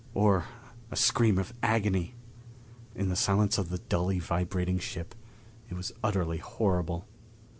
Or a scream of agony. In the silence of the dully vibrating ship it was utterly horrible....